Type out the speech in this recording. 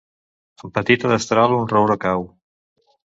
Amb petita destral un roure cau.